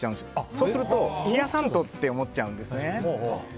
そうすると、冷やさないとって思っちゃうんですね。